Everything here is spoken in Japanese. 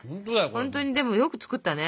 本当にでもよく作ったね。